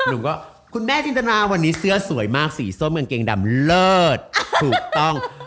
หนูก็คุณแม่จินตนาวันนี้เสื้อสวยมากสีส้มกางเกงดำเลิศถูกต้อง